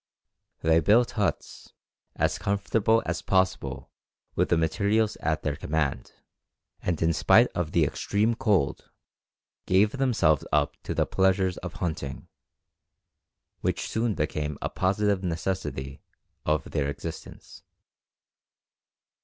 They built huts, as comfortable as possible with the materials at their command; and in spite of the extreme cold, gave themselves up to the pleasures of hunting, which soon became a positive necessity of their existence.